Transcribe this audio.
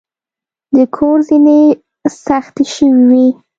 د کور زینې سختې شوې وې.